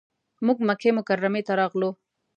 موږ مکې مکرمې ته راغلو.